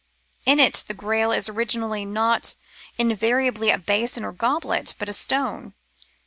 In it the Grail is originally not invariably a basin or goblet, but a stone.